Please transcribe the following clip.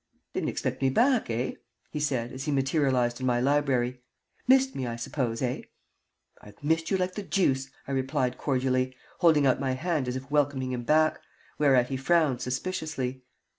"Didn't expect me back, eh?" he said, as he materialized in my library. "Missed me, I suppose, eh?" "I've missed you like the deuce!" I replied, cordially, holding out my hand as if welcoming him back, whereat he frowned suspiciously.